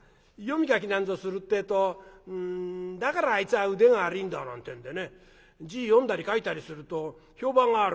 読み書きなんぞするってえと「だからあいつは腕が悪いんだ」なんてんでね字読んだり書いたりすると評判が悪かったりなんかする。